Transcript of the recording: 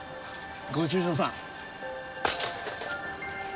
ご愁傷さん。